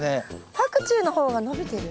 パクチーの方が伸びてる？